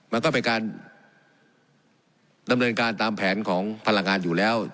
มันก็เป็นการดำเนินการตามแผนของพลังงานอยู่แล้ว